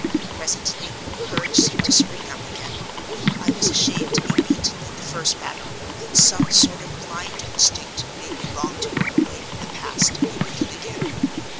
Presently, courage seemed to spring up again: I was ashamed to be beaten in the first battle, and some sort of blind instinct made me long to break away from the past and begin again.